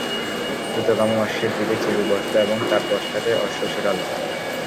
দ্রুতগামী অশ্বের পিঠে চেপে বসল এবং তার পশ্চাতে অশ্ব ছুটাল।